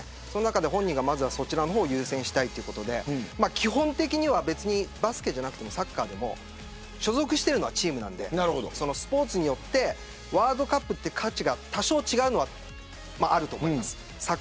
本人がそちらを優先したいということでバスケじゃなくてもサッカーでも所属してるのはチームなのでそのスポーツによってワールドカップという価値が多少違うのはあると思います。